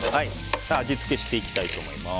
味付けしていきたいと思います。